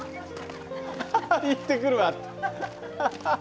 アハハ行ってくるわって。